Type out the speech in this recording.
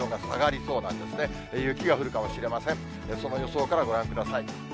その予想からご覧ください。